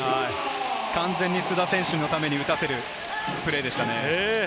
完全に須田選手のために打たせるプレーでしたね。